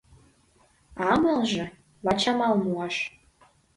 А амалже — лач амал муаш.